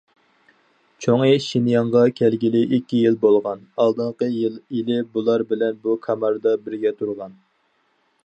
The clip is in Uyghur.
چوڭى شېنياڭغا كەلگىلى ئىككى يىل بولغان، ئالدىنقى يىلى بۇلار بىلەن بۇ كاماردا بىرگە تۇرغان.